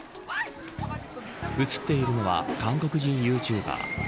映っているのは韓国人ユーチューバー。